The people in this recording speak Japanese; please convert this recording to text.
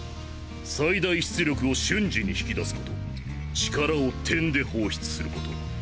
最大出力を瞬時に引き出すこと力を点で放出すること。